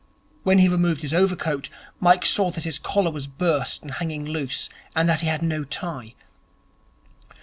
When he removed his overcoat, Mike saw that his collar was burst and hanging loose and that he had no tie.